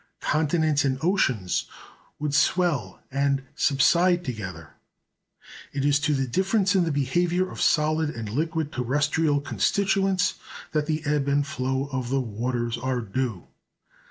Continents and oceans would swell and subside together. It is to the difference in the behaviour of solid and liquid terrestrial constituents that the ebb and flow of the waters are due.